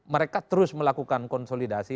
mereka terus melakukan konsolidasi